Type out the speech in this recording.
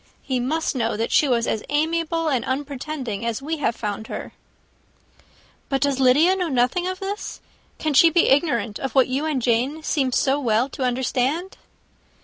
He must know that she was as amiable and unpretending as we have found her." "But does Lydia know nothing of this? can she be ignorant of what you and Jane seem so well to understand?"